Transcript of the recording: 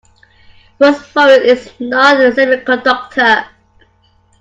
Phosphorus is not a semiconductor.